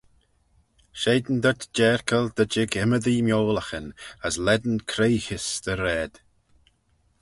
Shegin dhyt jerkal dy jig ymmodee miolaghyn as lane creoghys dty raad.